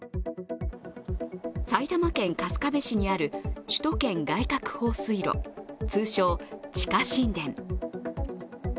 埼玉県春日部市にある首都圏外郭放水路通称・地下神殿。